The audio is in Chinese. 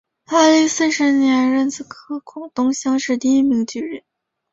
万历四十年壬子科广东乡试第一名举人。